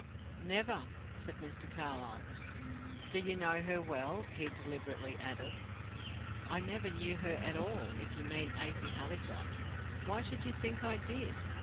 "Never," said Mr. Carlyle. "Do you know her well?" he deliberately added. "I never knew her at all, if you mean Afy Hallijohn. Why should you think I did?